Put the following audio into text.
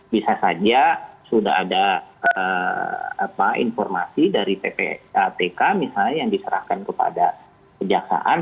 bisa saja sudah ada informasi dari ppatk misalnya yang diserahkan kepada kejaksaan